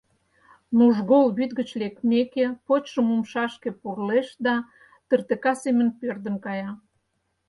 Нужгол вӱд гыч лекмеке, почшым умшашке пурлеш да тыртыка семын пӧрдын кая.